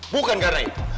bukan karena itu